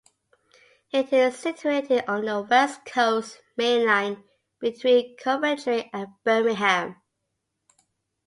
It is situated on the West Coast Main Line between Coventry and Birmingham.